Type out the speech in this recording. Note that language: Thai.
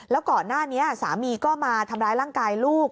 แล้วก่อนหน้านี้สามีก็มาทำร้ายร่างกายลูก